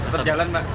tetap jalan pak